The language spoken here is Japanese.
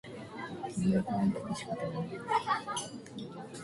君がかわいくて仕方がないよ